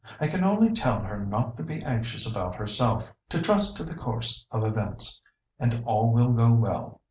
I can only tell her not to be anxious about herself; to trust to the course of events, and all will go well.